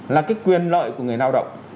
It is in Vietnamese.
là cái quyền lợi của người lao động